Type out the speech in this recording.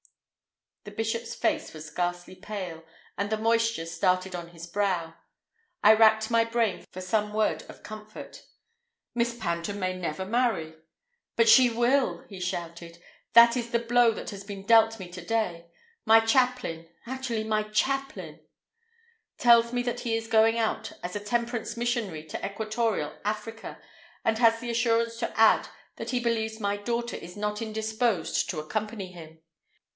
The bishop's face was ghastly pale, and the moisture started on his brow. I racked my brain for some word of comfort. "Miss Panton may never marry." "But she will!" he shouted. "That is the blow that has been dealt me to day. My chaplain—actually, my chaplain—tells me that he is going out as a temperance missionary to equatorial Africa, and has the assurance to add that he believes my daughter is not indisposed to accompany him!"